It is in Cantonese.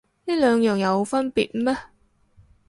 呢兩樣有分別咩